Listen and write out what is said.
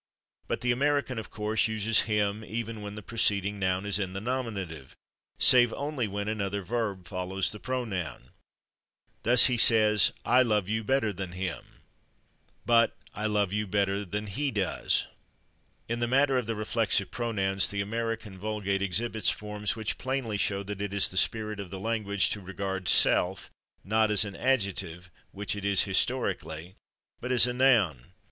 But the American, of course, uses /him/ even when the preceding noun is in the nominative, save only when another verb follows the pronoun. Thus, he says, "I love you better than /him/," but "I love you better than /he/ does." In the matter of the reflexive pronouns the American vulgate exhibits forms which plainly show that it is the spirit of the language to regard /self/, not as an adjective, which it is historically, but as a noun.